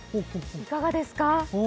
いかがですか？